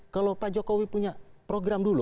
kalau pak jokowi punya program dulu